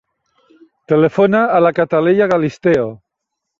Telefona a la Cataleya Galisteo.